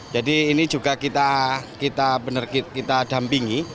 jadi ini juga kita benar benar dampingi